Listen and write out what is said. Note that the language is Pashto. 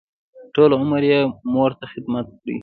ټول عمر یې مور ته خدمت کړی.